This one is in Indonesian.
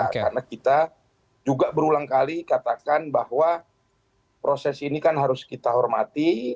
karena kita juga berulang kali katakan bahwa proses ini kan harus kita hormati